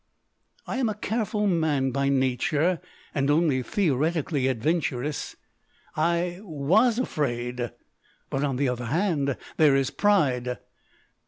I am a careful man by nature, and only theoretically adventurous. I WAS afraid. But on the other hand there is pride.